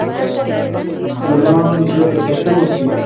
ګلان زړه ته سکون ورکوي.